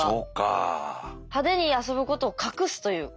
派手に遊ぶことを隠すというか。